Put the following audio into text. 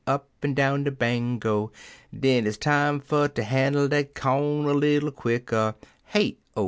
Up'n down de Bango!) Den hit'stime fer ter handle dat corn a little quicker— (Hey O!